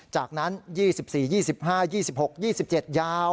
จากนั้น๒๔๒๕๒๖๒๗ยาว